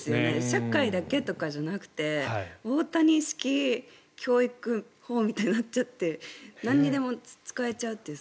社会だけとかじゃなくて大谷式教育法みたいになっちゃってなんにでも使えちゃうっていう。